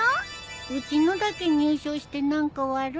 うちのだけ入賞して何か悪いね。